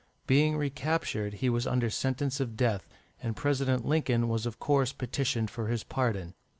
Being re captured, he was under sentence of death, and President Lincoln was of course petitioned for his pardon.